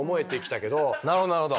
なるほどなるほど。